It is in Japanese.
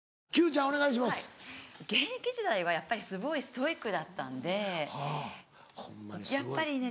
はい現役時代はやっぱりすごいストイックだったんでやっぱりね